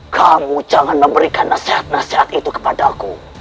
kamu jangan memberikan nasihat nasihat itu kepadaku